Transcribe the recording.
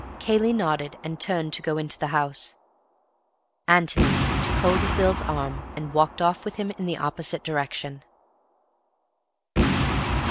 Cayley nodded and turned to go into the house. Antony took hold of Bill's arm and walked off with him in the opposite direction.